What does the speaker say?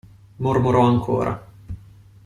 Mormorò ancora.